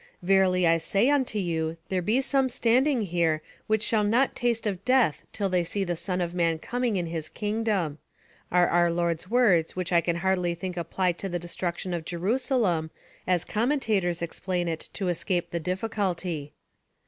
"Verily I say unto you, There be some standing here, which shall not taste of death till they see the Son of Man coming in His kingdom," are our Lord's words, which I can hardly think apply to the destruction of Jerusalem, as commentators explain it to escape the difficulty.